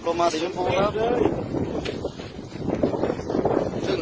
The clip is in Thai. อาหารที่เขตกฟ้า